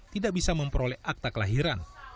tidak bisa memperoleh akta kelahiran